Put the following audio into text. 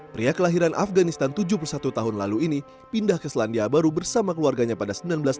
pria kelahiran afganistan tujuh puluh satu tahun lalu ini pindah ke selandia baru bersama keluarganya pada seribu sembilan ratus enam puluh